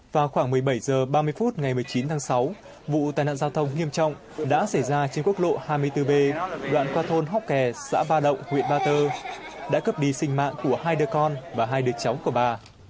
vào khoảng một mươi bảy h ba mươi phút ngày một mươi chín tháng sáu vụ tai nạn giao thông nghiêm trọng đã xảy ra trên quốc lộ hai mươi bốn b đoạn qua thôn hóc kè xã ba động huyện ba tơ đã cướp đi sinh mạng của hai đứa con và hai đứa cháu của bà